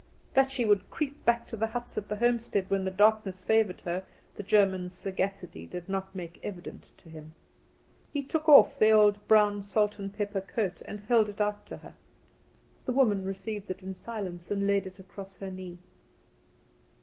That she would creep back to the huts at the homestead when the darkness favoured her, the German's sagacity did not make evident to him. He took off the old brown salt and pepper coat, and held it out to her. The woman received it in silence, and laid it across her knee.